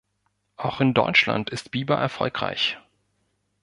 Auch in Deutschland ist Bieber erfolgreich.